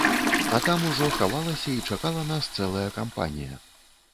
А там ужо хавалася і чакала нас цэлая кампанія.